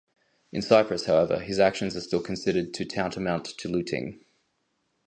In Cyprus however, his actions are still considered to tantamount to looting.